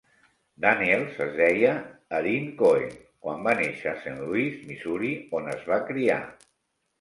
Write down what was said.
Daniels es deia Erin Cohen quan va néixer a Saint Louis, Missouri, on es va criar.